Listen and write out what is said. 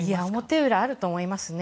表裏あると思いますね。